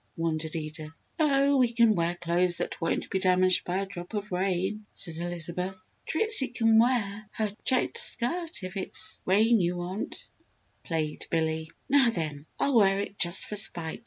wondered Edith. "Oh, we can wear clothes that won't be damaged by a drop of rain," said Elizabeth. "Trixie can wear her checked skirt if it's rain you want," plagued Billy. "Now then, I'll wear it just for spite!"